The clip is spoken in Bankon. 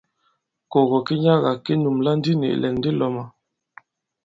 Kògò ki nyaga ki nùmblà ndi nì ìlɛ̀n di lɔ̄mā.